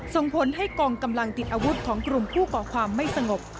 ส่งผลให้กองกำลังติดอาวุธของกลุ่มผู้ก่อความไม่สงบ